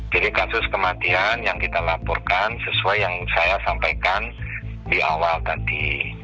jadi kasus kematian yang kita laporkan sesuai yang saya sampaikan di awal tadi